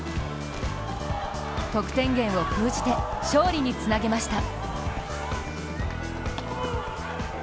得点源を封じて、勝利につなげました。